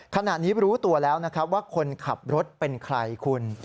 ขณะนี้รู้ตัวแล้วนะครับว่าคนขับรถเป็นใครคุณ